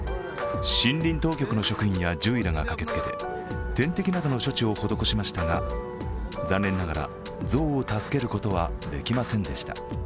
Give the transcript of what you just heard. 森林当局の職員や獣医らが駆けつけて、点滴などの処置を施しましたが残念ながら象を助けることはできませんでした